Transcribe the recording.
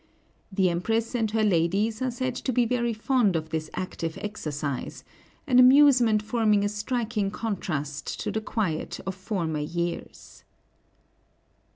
The Empress and her ladies are said to be very fond of this active exercise, an amusement forming a striking contrast to the quiet of former years.